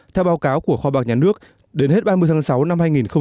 theo báo cáo của khoa bạc nhà nước đến hết ba mươi tháng sáu năm hai nghìn một mươi bảy